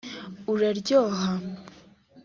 uraryoha